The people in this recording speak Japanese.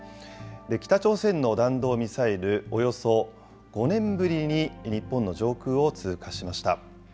北朝鮮の弾道ミサイル、およそ５年ぶりに日本の上空を通過しました。